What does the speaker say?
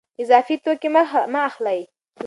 اضافي توکي مه اخلئ.